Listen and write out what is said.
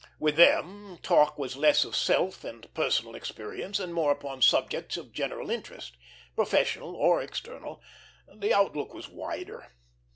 With them, talk was less of self and personal experience, and more upon subjects of general interest, professional or external; the outlook was wider.